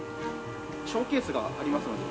ショーケースがありますので。